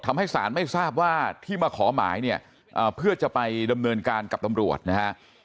ทำให้ศาลไม่ทราบว่าที่มาขอหมายเนี่ยเพื่อจะไปดำเนินการกับตำรวจนะฮะ